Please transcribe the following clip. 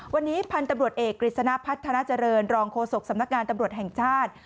วันนี้พันธุ์ตำรวจเอกกฤษณะพัฒนาเจริญรองโฆษกสำนักงานตำรวจแห่งชาติ